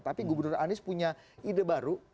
tapi gubernur anies punya ide baru